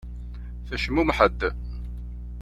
Tecmumeḥ-d.